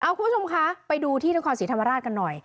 คุณผู้ชมคะไปดูที่นครศรีธรรมราชกันหน่อย